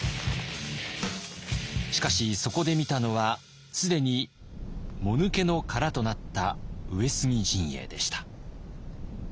しかしそこで見たのは既にもぬけの殻となった上杉陣営でした。